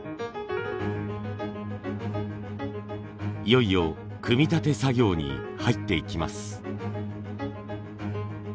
いよいよ組み立て作業に入っていきます。